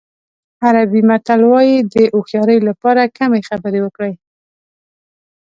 عربي متل وایي د هوښیارۍ لپاره کمې خبرې وکړئ.